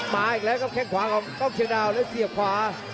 มาอีกแล้วครับแค่งขวาของกล้องเชียงดาวแล้วเสียบขวา